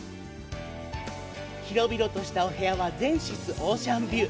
広々としたお部屋は全室オーシャンビュー。